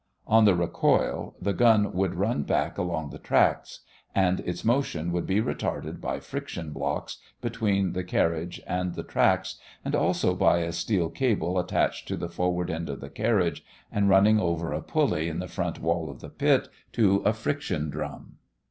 On the recoil the gun would run back along the tracks, and its motion would be retarded by friction blocks between the carriage and the tracks and also by a steel cable attached to the forward end of the carriage and running over a pulley on the front wall of the pit, to a friction drum.